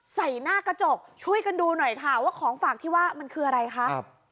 ใส่หน้ากระจกช่วยกันดูหน่อยค่ะว่าของฝากที่ว่ามันคืออะไรคะ